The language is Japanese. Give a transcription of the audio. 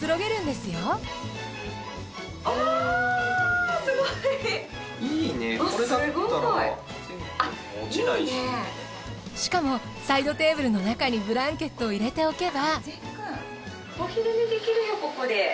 すごい！しかもサイドテーブルの中にブランケットを入れておけば。